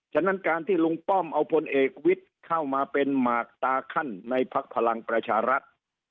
ฉะนั้นการที่ลุงป้อมเอาพลเอกวิทย์เข้ามาเป็นหมากตาขั้นในพักพลังประชารัฐ